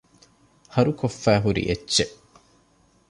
ހަރުކޮށްފައިހުރި އެއްޗެއް